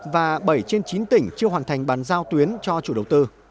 và bảy trên chín tỉnh chưa hoàn thành bàn giao tuyến cho chủ đầu tư